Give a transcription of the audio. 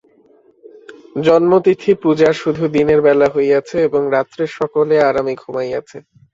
জন্মতিথি পূজা শুধু দিনের বেলা হইয়াছে এবং রাত্রে সকলে আরামে ঘুমাইয়াছে।